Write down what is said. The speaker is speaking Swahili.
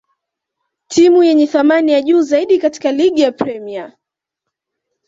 timu yenye thamni ya juu zaidi katika ligi ya Premia